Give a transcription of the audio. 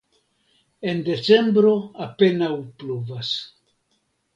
En decembro apenaŭ pluvas.